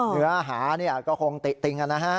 เหนืออาหารี่ก็คงติ๊กติ๊งกันนะฮะ